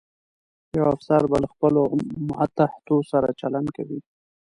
یو افسر به له خپلو ماتحتو سره چلند کوي.